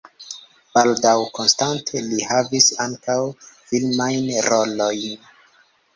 Baldaŭ konstante li havis ankaŭ filmajn rolojn.